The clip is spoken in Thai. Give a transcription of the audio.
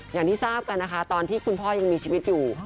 อย่างที่ทราบกันนะคะตอนที่คุณพ่อยังมีชีวิตอยู่